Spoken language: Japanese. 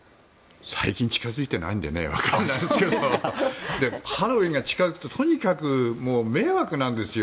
最近近付いてないんでわからないんですけどハロウィーンが近付くととにかく迷惑なんですよ。